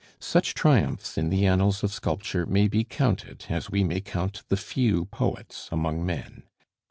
Such triumphs in the annals of sculpture may be counted, as we may count the few poets among men.